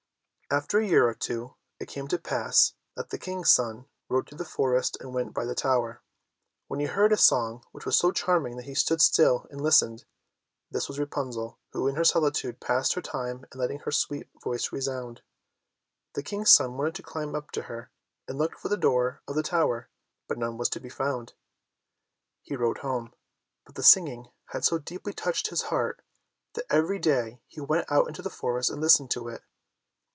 After a year or two, it came to pass that the King's son rode through the forest and went by the tower. Then he heard a song, which was so charming that he stood still and listened. This was Rapunzel, who in her solitude passed her time in letting her sweet voice resound. The King's son wanted to climb up to her, and looked for the door of the tower, but none was to be found. He rode home, but the singing had so deeply touched his heart, that every day he went out into the forest and listened to it.